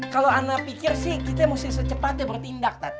kalo anda pikir sih kita mesti secepatnya bertindak